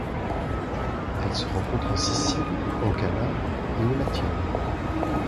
Elle se rencontre en Sicile, en Calabre et au Latium.